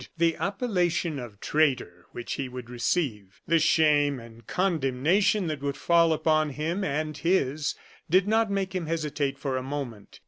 The appellation of traitor, which he would receive; the shame and condemnation that would fall upon him and his, did not make him hesitate for a moment.